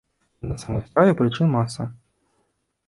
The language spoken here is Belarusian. І на самой справе, прычын маса.